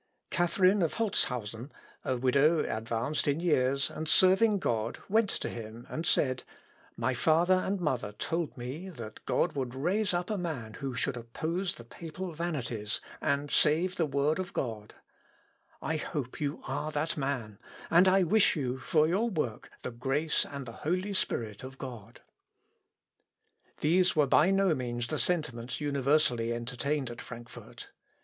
Catharine of Holzhausen, a widow advanced in years, and serving God, went to him, and said, "My father and mother told me that God would raise up a man who should oppose the papal vanities, and save the Word of God. I hope you are that man, and I wish you, for your work, the grace and the Holy Spirit of God." Ich hoffe dass du der verherssene.... Cypr. Hilar. Ev. p. 606. These were by no means the sentiments universally entertained at Frankfort.